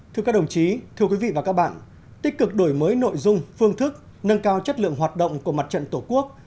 thưa các đồng chí thưa quý vị và các bạn tích cực đổi mới nội dung phương thức nâng cao chất lượng hoạt động của mặt trận tổ quốc